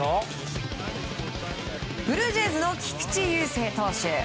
ブルージェイズの菊池雄星投手。